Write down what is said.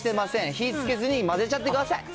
火つけずに混ぜちゃってください。